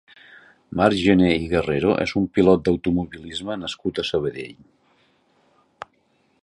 Marc Gené i Guerrero és un pilot d'automobilisme nascut a Sabadell.